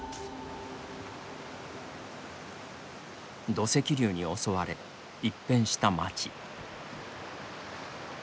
土石流に襲われ、一変した町。